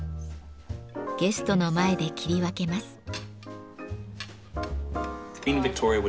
ゲストの前で切り分けます。